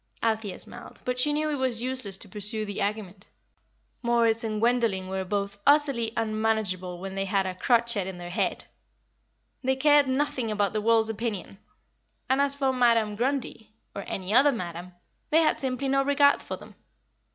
Althea smiled, but she knew it was useless to pursue the argument. Moritz and Gwendoline were both utterly unmanageable when they had a crotchet in their head. They cared nothing about the world's opinion, and as for Madam Grundy, or any other madam, they had simply no regard for them.